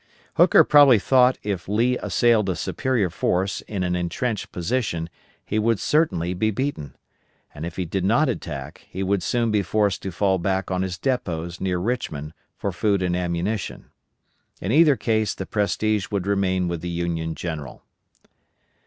Hooker probably thought if Lee assailed a superior force in an intrenched position he would certainly be beaten; and if he did not attack he would soon be forced to fall back on his depots near Richmond for food and ammunition. In either case the prestige would remain with the Union general.